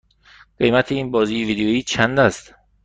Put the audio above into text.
قیمت این بازی ویدیویی چند است؟